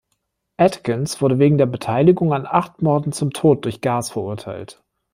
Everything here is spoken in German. Atkins wurde wegen der Beteiligung an acht Morden zum Tod durch Gas verurteilt.